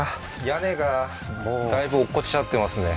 屋根がだいぶ落っこちちゃってますね